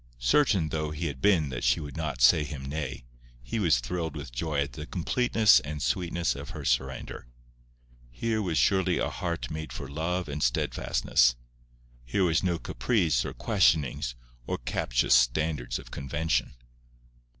Certain though he had been that she would not say him nay, he was thrilled with joy at the completeness and sweetness of her surrender. Here was surely a heart made for love and steadfastness. Here was no caprice or questionings or captious standards of convention.